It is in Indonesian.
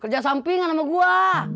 kerja sampingan sama gue